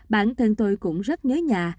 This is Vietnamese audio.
bản thân tôi cũng rất nhớ nhà